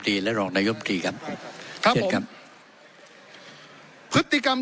ขอประท้วงครับขอประท้วงครับขอประท้วงครับขอประท้วงครับ